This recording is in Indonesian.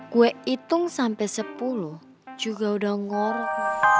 gue hitung sampai sepuluh juga udah ngorok